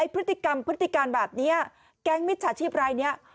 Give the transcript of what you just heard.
พฤติกรรมพฤติการแบบนี้แก๊งมิจฉาชีพรายนี้